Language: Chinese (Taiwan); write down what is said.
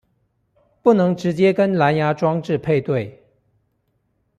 不能直接跟藍芽裝置配對